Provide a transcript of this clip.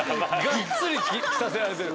がっつり着させられてる。